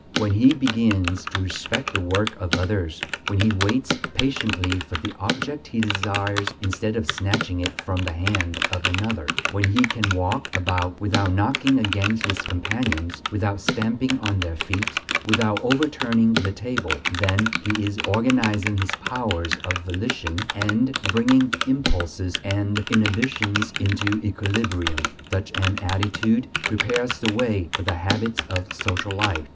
When he begins to respect the work of others; when he waits patiently for the object he desires instead of snatching it from the hand of another; when he can walk about without knocking against his companions, without stamping on their feet, without overturning the table then he is organizing his powers of volition, and bringing impulses and inhibitions into equilibrium. Such an attitude prepares the way for the habits of social life.